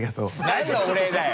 何のお礼だよ！